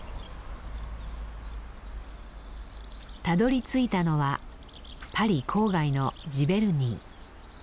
たどりついたのはパリ郊外のジヴェルニー。